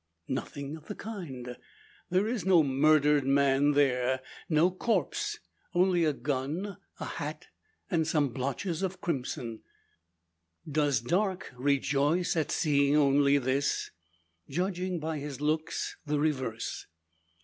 Nothing of the kind. There is no murdered man there, no corpse! Only a gun, a hat, and some blotches of crimson! Does Darke rejoice at seeing only this? Judging by his looks, the reverse.